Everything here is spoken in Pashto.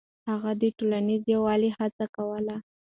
هغه د ټولنيز يووالي هڅه کوله.